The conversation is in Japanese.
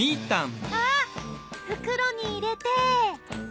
あっ袋に入れて。